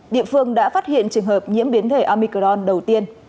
địa phương đã phát hiện trường hợp nhiễm biến thể amicron đầu tiên